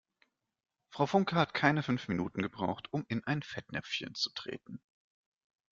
Frau Funke hat keine fünf Minuten gebraucht, um in ein Fettnäpfchen zu treten.